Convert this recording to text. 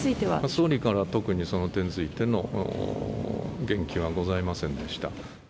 総理から特にその点についての言及はございませんでした。